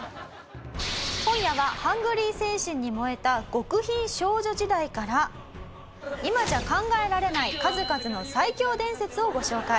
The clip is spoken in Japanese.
今夜はハングリー精神に燃えた極貧少女時代から今じゃ考えられない数々の最強伝説をご紹介。